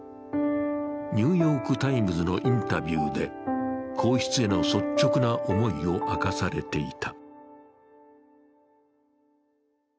「ニューヨーク・タイムズ」のインタビューで皇室への率直な思いを明かされていた。